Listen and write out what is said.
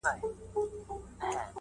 چي ونه کړي یو له بل سره جنګونه٫